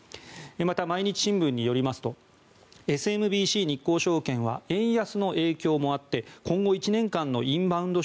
また、毎日新聞によりますとＳＭＢＣ日興証券は円安の影響もあって今後１年間のインバウンド